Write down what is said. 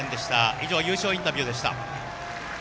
以上、優勝インタビューでした。